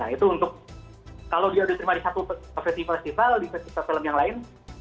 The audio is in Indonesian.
nah itu untuk kalau dia udah terima di satu festival festival di festival film yang lain